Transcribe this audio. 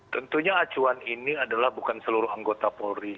tentunya acuan ini adalah bukan seluruh anggota polri